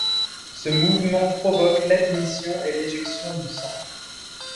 Ce mouvement provoque l’admission et l’éjection du sang.